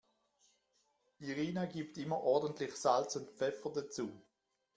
Irina gibt immer ordentlich Salz und Pfeffer dazu.